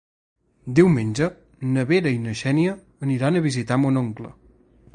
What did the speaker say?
Diumenge na Vera i na Xènia aniran a visitar mon oncle.